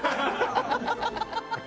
ハハハハ！